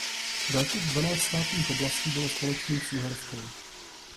Dalších dvanáct ostatních oblastí bylo společných s Uherskem.